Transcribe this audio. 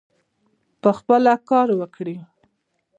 پخپله کار وکړي.